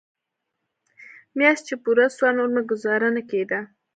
مياشت چې پوره سوه نور مې گوزاره نه کېده.